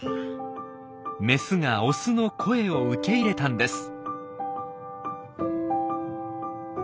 メスがオスの声を受け入れたんです。